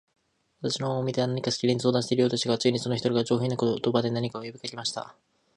私の方を見ては、何かしきりに相談しているようでしたが、ついに、その一人が、上品な言葉で、何か呼びかけました。